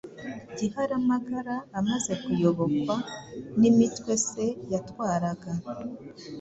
Giharamagara amaze kuyobokwa n’imitwe Se yatwaraga